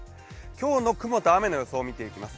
今日の雲と雨の予想を見ていきます。